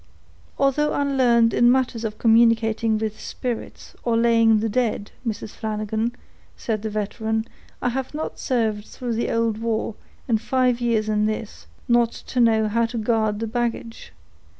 "Although unlearned in matters of communicating with spirits, or laying the dead, Mrs. Flanagan," said the veteran, "I have not served through the old war, and five years in this, not to know how to guard the baggage.